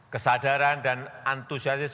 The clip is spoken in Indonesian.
kesadaran dan antusiasis